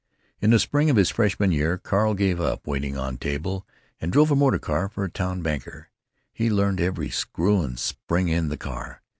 In the spring of his freshman year Carl gave up waiting on table and drove a motor car for a town banker. He learned every screw and spring in the car.